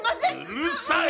うるさい！